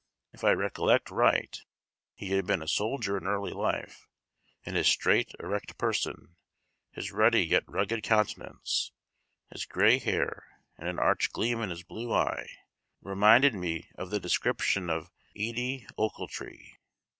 If I recollect right, he had been a soldier in early life, and his straight, erect person, his ruddy yet rugged countenance, his gray hair, and an arch gleam in his blue eye, reminded me of the description of Edie Ochiltree.